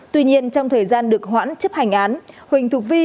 tuy nhiên trong thời gian được hoãn chấp hành án huỳnh thuộc vi